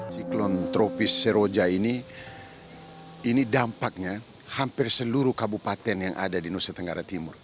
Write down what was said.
siklon tropis seroja ini ini dampaknya hampir seluruh kabupaten yang ada di nusa tenggara timur